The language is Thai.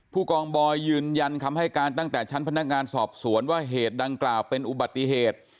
ผู้กองบอยยืนยันคำให้การตั้งแต่ชั้นพนักงานสอบสวนว่าเหตุดังกล่าวเป็นอุบัติเหตุ